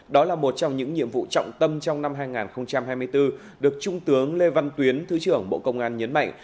đó là một trong những nhiệm vụ trọng tâm trong năm hai nghìn hai mươi bốn được trung tướng lê văn tuyến thứ trưởng bộ công an nhấn mạnh